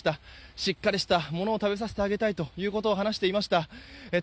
しっかりしたものを食べさせてあげたいと話していました。